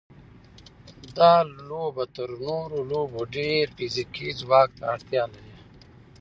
دا لوبه تر نورو لوبو ډېر فزیکي ځواک ته اړتیا لري.